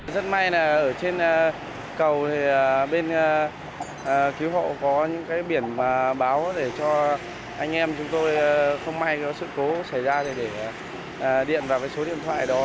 rất may là ở trên cầu thì bên cứu hộ có những cái biển báo để cho anh em chúng tôi không may có sự cố xảy ra để điện vào cái số điện thoại đó